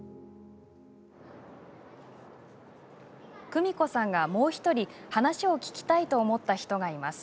クミコさんが、もう１人話を聞きたいと思った人がいます。